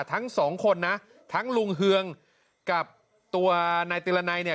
ทั้งสองคนนะทั้งลุงเฮืองกับตัวนายติรนัยเนี่ย